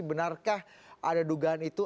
benarkah ada dugaan itu